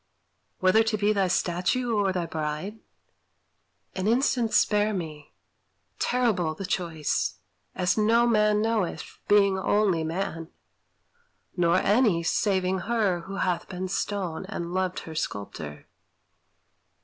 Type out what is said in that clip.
Whether to be thy statue or thy bride An instant spare me! Terrible the choice, As no man knoweth, being only man; Nor any, saving her who hath been stone And loved her sculptor.